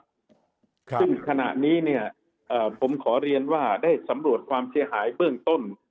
ซึ่งขณะนี้เนี่ยผมขอเรียนว่าได้สำรวจความเสียหายเบื้องต้น